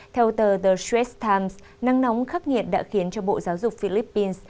theo tờ the shred times năng nóng khắc nghiện đã khiến cho bộ giáo dục philippines